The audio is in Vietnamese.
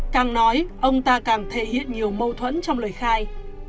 càng nói ông ta càng thể hiện nhiều mâu thuẫn trong lời khai